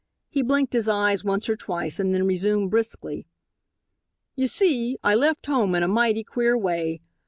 He blinked his eyes once or twice and then resumed briskly: "You see, I left home in a mighty queer way.